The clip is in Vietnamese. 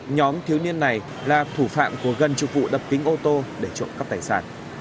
nhóm thiếu niên này là thủ phạm của gần chục vụ đập kính ô tô để trộm cắp tài sản